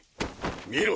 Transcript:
見ろ！